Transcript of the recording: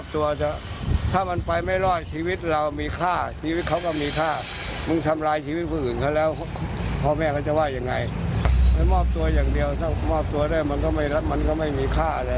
ตัวจะถ้ามันไปไม่รอดชีวิตเรามีค่าชีวิตเขาก็มีค่ามึงทำร้ายชีวิตผู้อื่นเขาแล้วพ่อแม่เขาจะว่ายังไงไปมอบตัวอย่างเดียวถ้ามอบตัวได้มันก็ไม่มันก็ไม่มีค่าอะไร